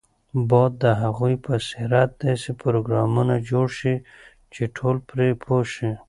باید د هغوی په سیرت داسې پروګرامونه جوړ شي چې ټول پرې پوه شي.